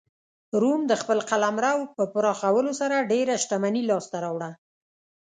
روم د خپل قلمرو په پراخولو سره ډېره شتمني لاسته راوړه